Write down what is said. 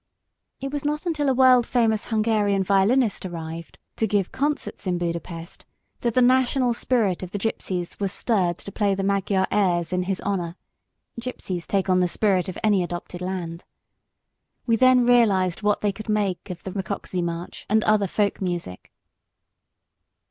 It was not until a world famous Hungarian violinist arrived to give concerts in Buda Pest that the national spirit of the Gypsies was stirred to play the Magyar airs in his honour. (Gypsies take on the spirit of any adopted land). We then realised what they could make of the Recockzy march and other folk music.